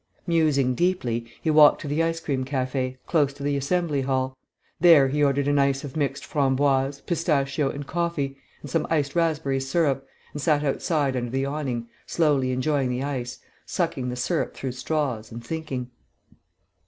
Musing deeply, he walked to the ice cream café, close to the Assembly Hall. There he ordered an ice of mixed framboise, pistachio, and coffee, and some iced raspberry syrup, and sat outside under the awning, slowly enjoying the ice, sucking the syrup through straws, and thinking.